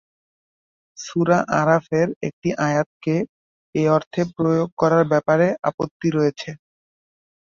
সূরা আরাফের একটি আয়াতকে এ অর্থে প্রয়োগ করার ব্যাপারে আপত্তি রয়েছে।